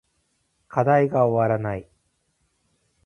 課題が終わらない